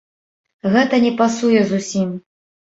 Гэта не пасуе зусім.